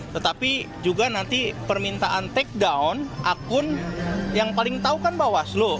tetapi juga nanti permintaan takedown akun yang paling tau kan bawaslu